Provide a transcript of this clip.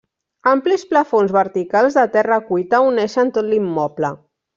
Amplis plafons verticals de terra cuita uneixen tot l'immoble.